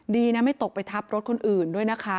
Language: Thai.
ดีนะไม่ตกไปทับรถคนอื่นด้วยนะคะ